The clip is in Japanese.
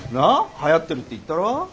はやってるって言ったろ？